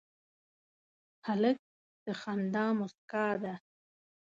هلک د خندا موسکا ده.